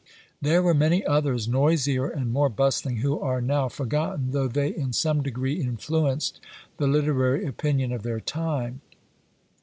There were many others, noisier and more bustling, who are now forgotten, though they in some degree influenced the literary opinion of their time.